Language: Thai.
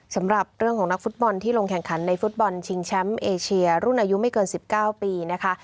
สำหรับเรื่องของนักฟุตบอลที่ลงแข่งขันในฟุตบอลชิงแชมป์เอเชียรุ่นอายุไม่เกิน๑๙ปีนะคะ